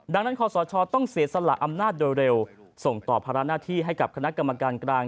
ดังนั้นขอสชต้องเสียสละอำนาจโดยเร็วส่งต่อภาระหน้าที่ให้กับคณะกรรมการกลาง